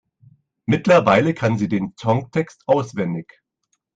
Mittlerweile kann sie den Songtext auswendig.